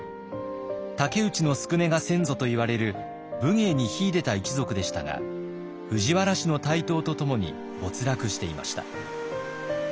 武内宿禰が先祖といわれる武芸に秀でた一族でしたが藤原氏の台頭とともに没落していました。